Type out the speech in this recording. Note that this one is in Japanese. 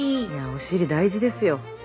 お尻大事ですよ。